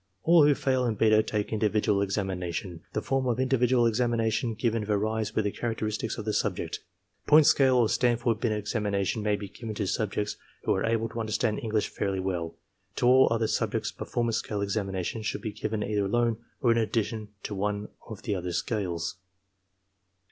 All who fail in beta take individual examination. The form of individual examination given varies with the characteristics of the subject. Point scale or Stanford Binet examination may be given to subjects who are able to understand English fairly well To all other EXAMINER'S GUIDE 45 subjects performance scale examination should be given either alone or in addition to one of the other scales.